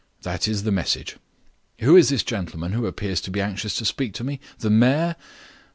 That is the message. Who is this gentleman who appears to be anxious to speak to me? The mayor?